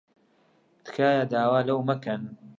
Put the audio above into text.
تکایە داوا لەو مەکەن.